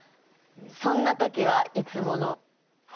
そんな時はいつもの。